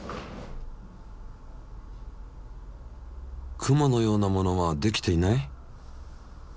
雲のようなものはできていない？